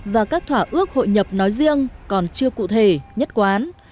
và các thỏa ước hội nhập nói riêng còn chưa cụ thể nhất quán